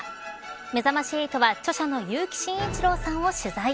めざまし８は著者の結城真一郎さんを取材。